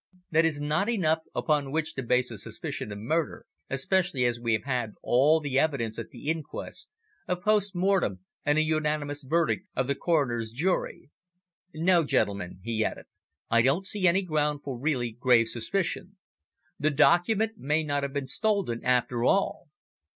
"That is not enough upon which to base a suspicion of murder, especially as we have had all the evidence at the inquest, a post mortem and a unanimous verdict of the coroner's jury. No, gentlemen," he added, "I don't see any ground for really grave suspicion. The document may not have been stolen after all.